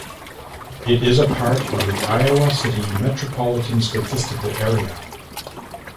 It is a part of the Iowa City Metropolitan Statistical Area.